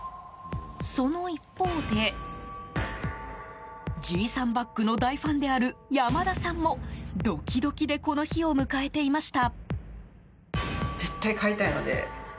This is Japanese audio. その一方で、ジーサンバッグの大ファンである山田さんもドキドキでこの日を迎えていました。